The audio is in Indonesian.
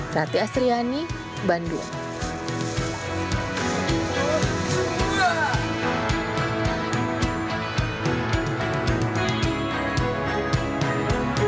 rati asriani bandung